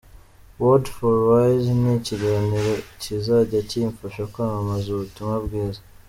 Word For Wise ni ikiganiro kizajya kimfasha kwamamaza ubutumwa bwiza.